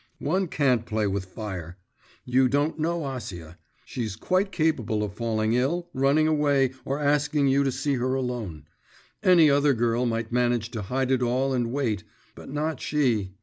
One can't play with fire. You don't know Acia; she's quite capable of falling ill, running away, or asking you to see her alone.… Any other girl might manage to hide it all and wait but not she.